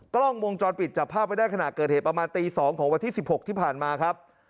กล้องวงจรปิดจับภาพไว้ได้ขณะเกิดเหตุประมาณตี๒ของวันที่๑๖ที่ผ่านมาครับ